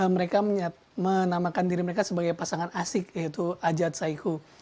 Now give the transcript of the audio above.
mereka menamakan diri mereka sebagai pasangan asik yaitu ajat saiku